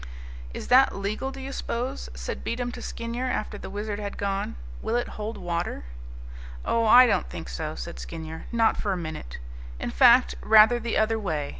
"Is that legal, do you suppose?" said Beatem to Skinyer, after the Wizard had gone. "Will it hold water?" "Oh, I don't think so," said Skinyer, "not for a minute. In fact, rather the other way.